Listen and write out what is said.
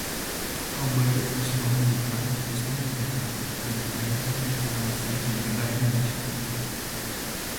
aubade anak sekolah di depan Istana Merdeka pada peringatan Hari Proklamasi Kemerdekaan Indonesia